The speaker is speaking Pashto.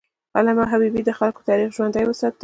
علامه حبیبي د خلکو تاریخ ژوندی وساته.